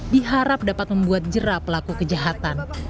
diharap dapat membuat jerah pelaku kejahatan